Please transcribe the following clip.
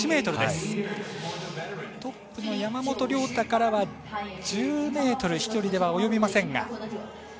トップの山本涼太からは１０ｍ飛距離では及びませんが。